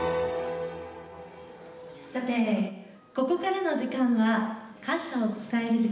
さてここからの時間は感謝を伝える時間にさせて頂きます。